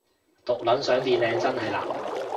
毒撚想變靚真係難